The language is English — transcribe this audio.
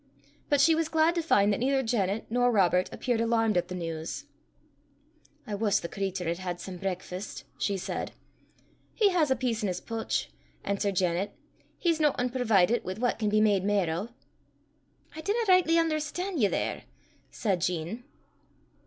But she was glad to find that neither Janet nor Robert appeared alarmed at the news. "I wuss the cratur had had some brakfast," she said. "He has a piece in 's pooch," answered Janet. "He's no oonprovidit wi' what can be made mair o'." "I dinna richtly un'erstan' ye there," said Jean.